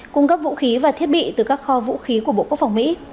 cung cấp vũ khí và thiết bị từ các kho vũ khí của bộ quốc phòng mỹ